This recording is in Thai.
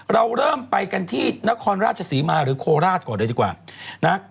เราเริ่มไปกันที่นครราชศรีมาหรือโคราชก่อนเลยดีกว่านะ